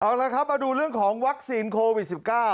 เอาละครับมาดูเรื่องของวัคซีนโควิด๑๙